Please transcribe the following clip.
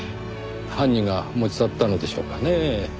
犯人が持ち去ったのでしょうかねぇ。